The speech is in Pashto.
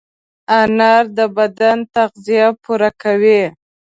انار د بدن تغذیه پوره کوي.